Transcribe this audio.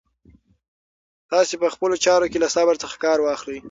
تاسو په خپلو چارو کې له صبر څخه کار واخلئ.